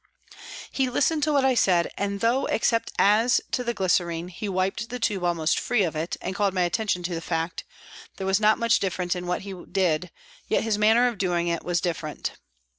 He listened to what I said, and though except as to the glycerine he wiped the tube almost free of it, and called my attention to the fact there was not much difference in what he did, yet his manner of doing it was different.